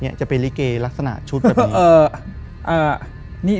จะเป็นลิเกลักษณะชุดแบบนี้